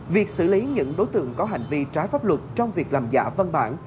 việc xử lý những đối tượng có hành vi trái pháp luật trong việc làm giả văn bản